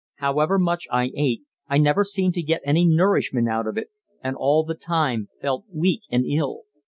However much I ate I never seemed to get any nourishment out of it, and all the time felt weak and ill.